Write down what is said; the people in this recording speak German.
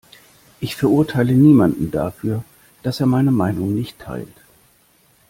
Ich verurteile niemanden dafür, dass er meine Meinung nicht teilt.